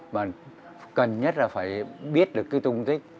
mà cần nhất là phải biết được cái tung tích